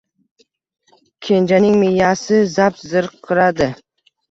Kenjaning miyasi zap zirqiradi.